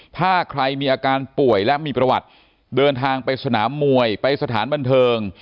ถ้าใครมีอาการป่วยและมีประวัติเดินทางไปสนามมวยไปสถานบันเทิง